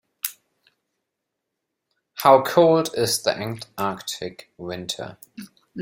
How cold is the Antarctic winter?